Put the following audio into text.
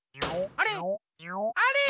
あれ？